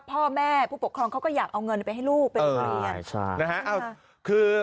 พ่อแม่ผู้ปกครองเขาก็อยากเอาเงินไปให้ลูกเออใช่นะฮะเอาคือ